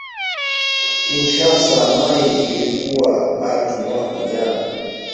Kinshasa mayi iliuwa batu mwaka jana